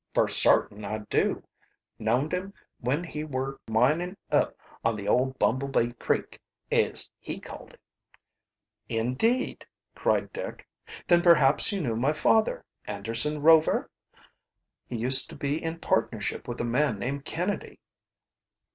"Fer sartin I do knowned him when he war mining up on the ole Bumble Bee Creek, ez he called it." "Indeed!" cried Dick. "Then perhaps you knew my father, Anderson Rover? He used to be in partnership with a man named Kennedy."